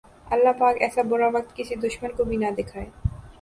اللہ پاک ایسا برا وقت کسی دشمن کو بھی نہ دکھائے